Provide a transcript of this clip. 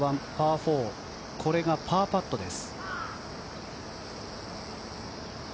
４これがパーパットです。